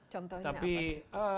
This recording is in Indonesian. contohnya apa sih